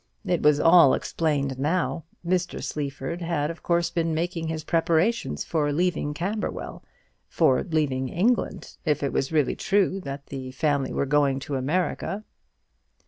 It was all explained now. Mr Sleaford had of course been making his preparations for leaving Camberwell for leaving England; if it was really true that the family were going to America.